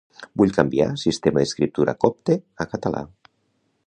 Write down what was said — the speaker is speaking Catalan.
Vull canviar sistema d'escriptura copte a català.